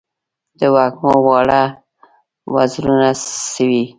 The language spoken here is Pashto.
د وږمو واړه وزرونه سوی